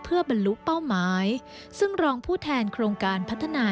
เพื่อบรรลุเป้าหมายซึ่งรองผู้แทนโครงการพัฒนา